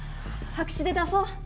白紙で出そう。